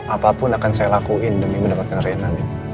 apapun akan saya lakuin demi mendapatkan renang